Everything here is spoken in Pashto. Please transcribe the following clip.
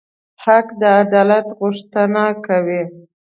حق د عدالت غوښتنه کوي.